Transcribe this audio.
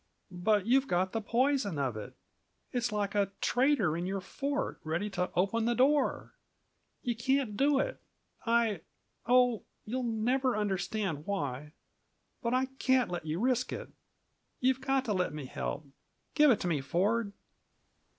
"But you've got the poison of it it's like a traitor in your fort, ready to open the door. You can't do it! I oh, you'll never understand why, but I can't let you risk it. You've got to let me help; give it to me, Ford!"